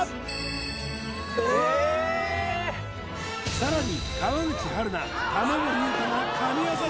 さらに